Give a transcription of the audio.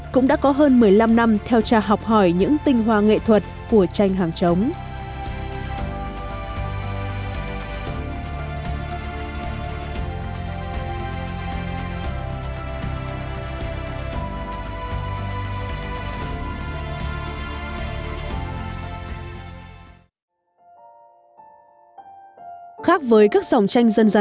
cũng đã có hơn một mươi năm năm theo tra học hỏi những tinh hoa nghệ thuật của tranh hàng trống